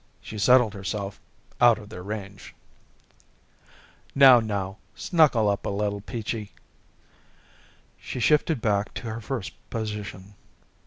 She settled herself out of their range. "Now, now, snuggle up a little, Peachy." She shifted back to her first position.